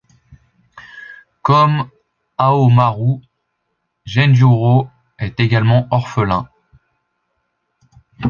Comme Haohmaru, Genjuro est également orphelin.